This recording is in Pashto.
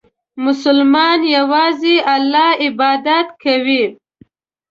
مسلمان یوازې الله عبادت کوي.